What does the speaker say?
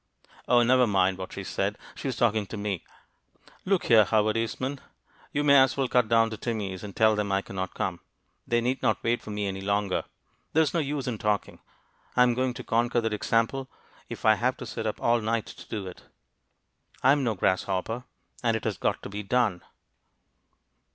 "O, never mind what she said! She was talking to me. Look here, Howard Eastman, you may as well cut down to Timmy's, and tell them I cannot come; they need not wait for me any longer. There is no use in talking; I am going to conquer that example if I have to sit up all night to do it. I am no grasshopper, and it has got to be done!"